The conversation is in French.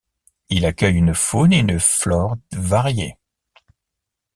Il accueille une faune et une flore variées.